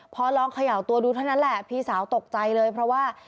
พอลองเขย่าตัวดูเท่านั้นแหละพี่สาวตกใจเลยเพราะว่า